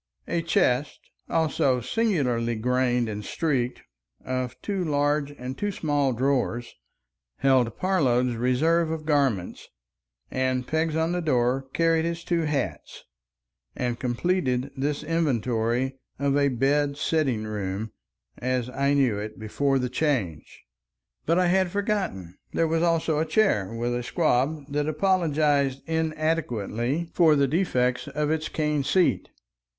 A chest, also singularly grained and streaked, of two large and two small drawers, held Parload's reserve of garments, and pegs on the door carried his two hats and completed this inventory of a "bed sitting room" as I knew it before the Change. But I had forgotten—there was also a chair with a "squab" that apologized inadequately for the defects of its cane seat.